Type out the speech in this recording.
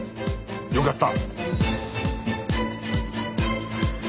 よくやった！